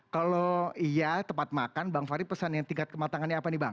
kalau iya tempat makan bang fahri pesannya tingkat kematangannya apa